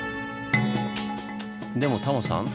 でもタモさん